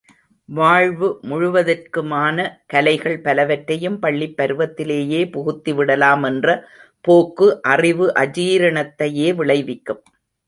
வாழ்வு முழுவதற்குமான கலைகள் பலவற்றையும் பள்ளிப் பருவத்திலேயே புகுத்தி விடாலாமென்ற போக்கு அறிவு அஜீரணத்தையே விளைவிக்கும்.